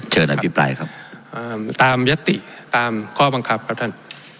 อภิปรายครับตามยติตามข้อบังคับครับท่าน